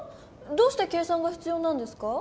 どうして計算がひつようなんですか？